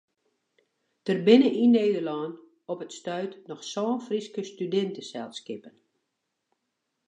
Der binne yn Nederlân op it stuit noch sân Fryske studinteselskippen.